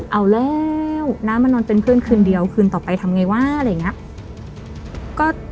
เอาแล้วน้ามานอนเป็นเพื่อนคืนเดียวคืนต่อไปทำไงวะอะไรอย่างนี้